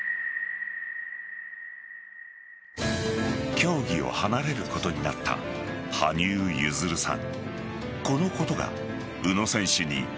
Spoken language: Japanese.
競技を離れることになった羽生結弦さん。